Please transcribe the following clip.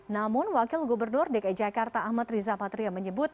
namun wakil gubernur dki jakarta ahmad riza patria menyebut